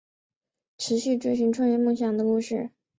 持续追寻创业梦想的故事